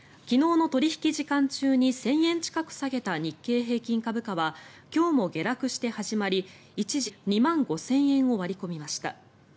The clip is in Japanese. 昨日の取引時間中に１０００円近く下げた日経平均株価は今日も下落して始まり一時、２万５０００円を割り込みました。